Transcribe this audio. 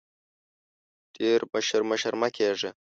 ډېر مشر مشر مه کېږه !